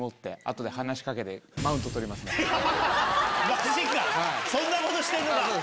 マジか⁉そんなことしてんのか。